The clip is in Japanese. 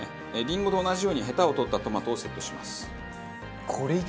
リンゴと同じようにヘタを取ったトマトをセットします。